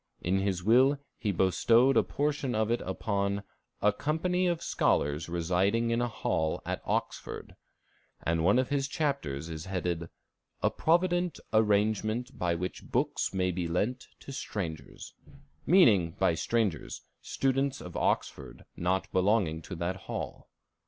In his will he bestowed a portion of it upon "a company of scholars residing in a hall at Oxford," and one of his chapters is headed "A Provident Arrangement by which Books may be lent to Strangers," meaning, by strangers, students of Oxford not belonging to that hall.